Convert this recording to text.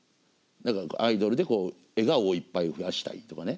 アイドルで笑顔をいっぱい増やしたいとかね